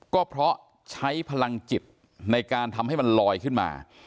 ก็เพราะใช้พลังจิตในการทำให้มันลอยขึ้นมา